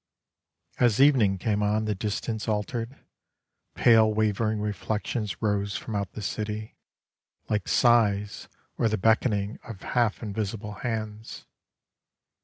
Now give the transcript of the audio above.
As evening came on the distance altered, Pale wavering reflections rose from out the city, Like sighs or the beckoning of half invisible hands.